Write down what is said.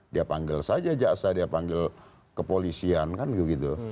dia panggil saja jaksa dia panggil kepolisian kan begitu